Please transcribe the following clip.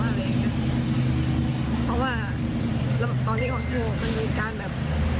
เพราะว่าตอนที่เค้าโทรมันมีการแบบ